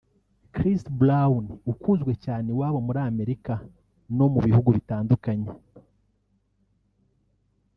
Chris Brown ukunzwe cyane iwabo muri Amerika no mu bihugu bitandukanye